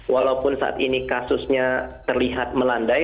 walaupun saat ini kasusnya terlihat melandai